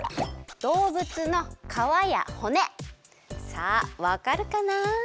さあわかるかな？